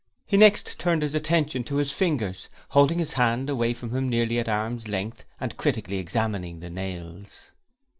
He next turned his attention to his fingers, holding his hand away from him nearly at arm's length and critically examining the nails.